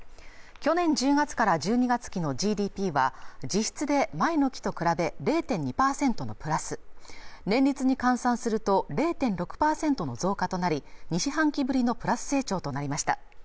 去年１０月から１２月期のＧＤＰは実質で前の期と比べ０．２％のプラス年率に換算すると０．６％の増加となり２四半期ぶりのプラス成長となりました